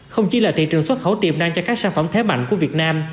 không chỉ là thị trường xuất khẩu tiềm năng cho các sản phẩm thế mạnh của việt nam